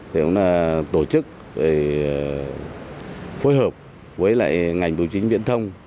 thì cũng là tổ chức phối hợp với lại ngành bưu chính viễn thông